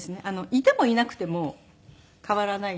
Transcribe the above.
いてもいなくても変わらないというか。